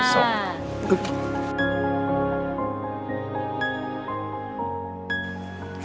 โอปอล์ค่ะ